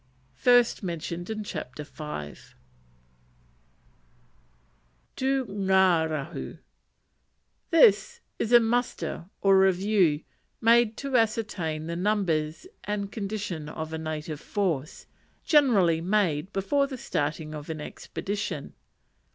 p. 72. Tu ngarahu This is a muster, or review, made to ascertain the numbers and condition of a native force; generally made before the starting of an expedition.